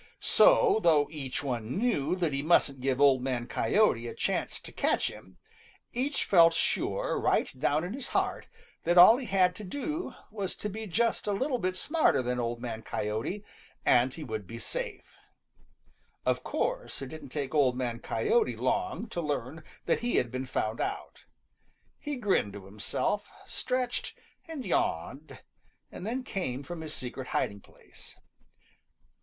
So though each one knew that he mustn't give Old Man Coyote a chance to catch him, each felt sure right down in his heart that all he had to do was to be just a little bit smarter than Old Man Coyote, and he would be safe. Of course it didn't take Old Man Coyote long to learn that he had been found out. He grinned to himself, stretched, and yawned, and then came out from his secret hiding place.